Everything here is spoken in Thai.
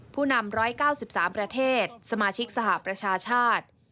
ผู้นำ๑๙๓ประเทศสมาชิกสหประชาชาติ